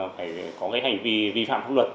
phải có hành vi vi phạm pháp luật